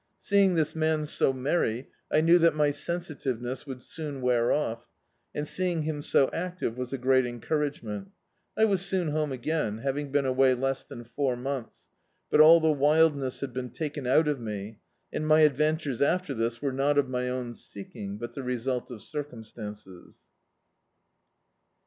Seeing this man so merry, I knew that my sensitiveness would soon wear off; and, seeing him so active was a great encouragement. I was soon home again, having been away less than four months; but all the wildness had been taken out of me, and my adventures after this were not of my own seeking, but the result of circumstances.